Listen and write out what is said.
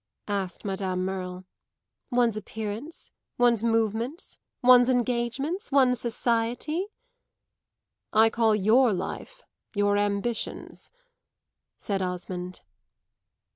asked Madame Merle. "One's appearance, one's movements, one's engagements, one's society?" "I call your life your ambitions," said Osmond.